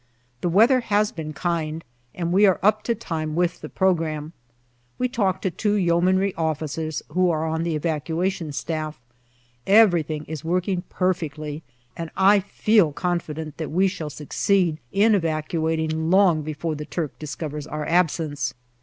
The weather has been kind, and we are up to time with the programme. We talk to two Yeomanry officers who are on the Evacuation Staff. Every thing is working perfectly, and I feel confident that we shall succeed in evacuating long before the Turk discovers our absence.